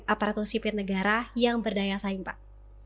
aparatur sipir negara yang berdaya saing pak